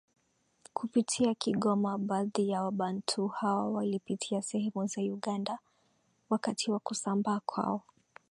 kupitia Kigoma baadhi ya wabantu hawa walipitia sehemu za Uganda Wakati wa kusambaa kwao